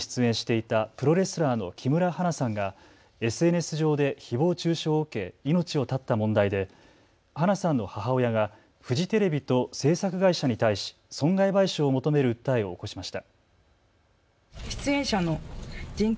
フジテレビの番組、テラスハウスに出演していたプロレスラーの木村花さんがＳＮＳ上でひぼう中傷を受け命を絶った問題で花さんの母親がフジテレビと制作会社に対し損害賠償を求める訴えを起こしました。